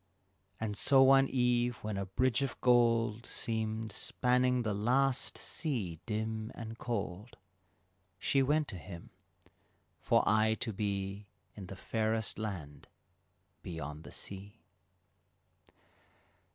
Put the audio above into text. And so one eve when a bridge of gold Seemed spanning the last sea dim and cold, She went to him, for aye to be In the fairest land beyond the sea.